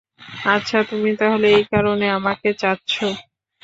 আচ্ছা, তুমি তাহলে এই কারণে আমাকে চাচ্ছ।